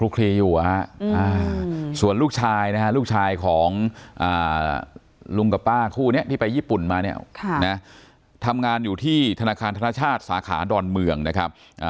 คู่นี้ที่ไปญี่ปุ่นมาเนี่ยทำงานอยู่ที่ธนาคารธนชาติสาขาดอนเมืองนะครับ